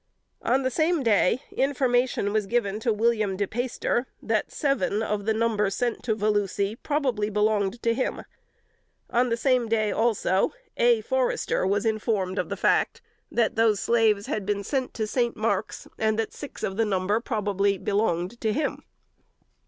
On the same day, information was given to William De Payster, that seven of the number sent to Volusi probably belonged to him. On the same day also, "A. Forrester" was informed of the fact, that those slaves "had been sent to St. Marks, and that six of the number probably belonged to him."